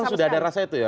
tapi sudah ada rasa itu ya